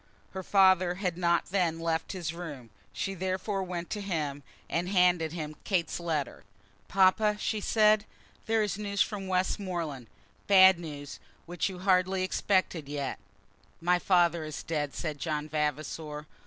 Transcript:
Her father had not then left his room. She therefore went to him, and handed him Kate's letter. "Papa," she said, "there is news from Westmoreland; bad news, which you hardly expected yet." "My father is dead," said John Vavasor.